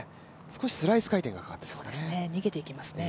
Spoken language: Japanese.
少しスライス回転がかかっていましたね。